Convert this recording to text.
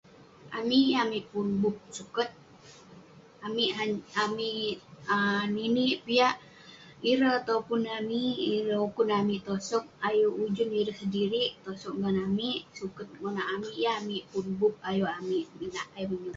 Amik yeng amik pun bup suket, amik..amik um ninik piak ireh topun amik, ireh ukun amik tosog, ayuk ujun ireh sedirik tosog ngan amik..suket monak amik..yeng amik pun bup ayuk amik minak..